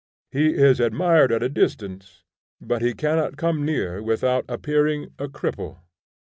He is admired at a distance, but he cannot come near without appearing a cripple.